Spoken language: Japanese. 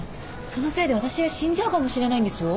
そのせいで私は死んじゃうかもしれないんですよ。